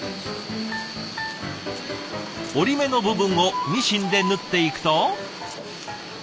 折り目の部分をミシンで縫っていくと。